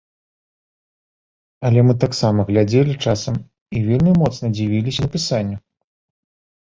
Але мы таксама глядзелі часам і вельмі моцна дзівіліся напісанню.